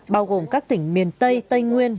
bao gồm các tỉnh miền tây tây nguyên